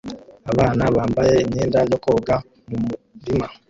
Abana bambaye imyenda yo koga mumurima